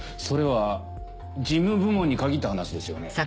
それは事務部門に限った話ですよね。